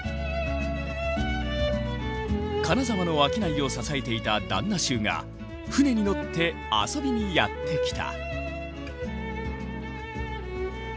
金沢の商いを支えていた旦那衆が船に乗って遊びにやって来た。